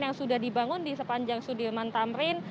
yang sudah dibangun di sepanjang sudirman tamrin